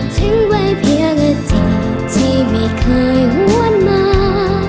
ทิ้งไว้เพียงสิ่งที่ไม่เคยหวนมา